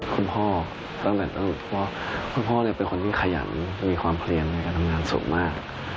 คุณพ่อเป็นคนที่ขยันมีความเพลียนในการทำงานสุขมาก